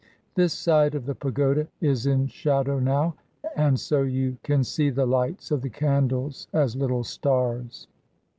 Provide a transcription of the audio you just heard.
This side of the pagoda is in shadow now, and so you can see the lights of the candles as little stars.